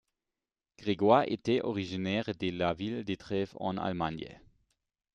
Grégoire était originaire de la ville de Trèves en Allemagne.